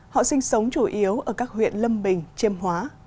họ sinh sống chủ yếu ở các huyện lâm bình chiêm hóa